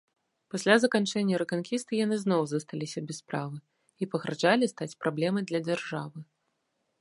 Пасля заканчэння рэканкісты яны зноў засталіся без справы і пагражалі стаць праблемай для дзяржавы.